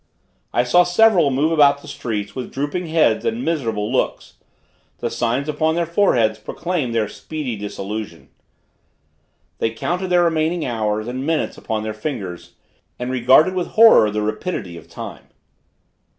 I saw several move about the streets with drooping heads and miserable looks the signs upon their foreheads proclaimed their speedy dissolution. They counted their remaining hours and minutes upon their fingers, and regarded with horror the rapidity of time.